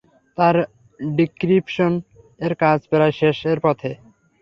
তার ডিক্রিরিপশন এর কাজ প্রায় শেষ এর পথে।